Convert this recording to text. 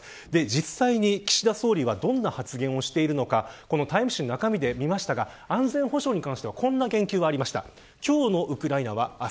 実際に、岸田総理はどんな発言をしているのかタイム誌の中身で見ましたが安全保障に関してはこんな言及がありました。